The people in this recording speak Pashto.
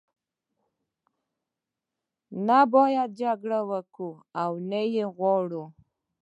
نه باید جګړه وکړو او نه یې وغواړو.